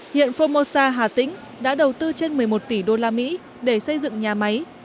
hiện formosa hà tĩnh đã đầu tư trên một mươi một tỷ usd để xây dựng nhà máy